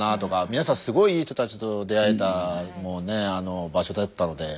皆さんすごいいい人たちと出会えた場所だったので。